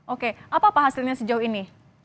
oke apa pak hasilnya sejauh ini